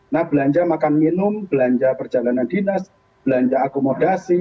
nah belanja makan minum belanja perjalanan dinas belanja akomodasi